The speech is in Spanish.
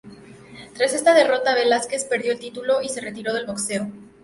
Tras esta derrota, Velázquez perdió el título y se retiró del boxeo.